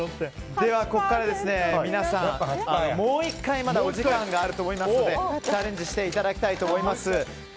ここから皆さん、もう１回まだお時間があると思いますのでチャレンジしていただきたいと思います。